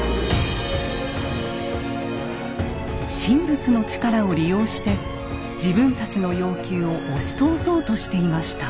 神仏の力を利用して自分たちの要求を押し通そうとしていました。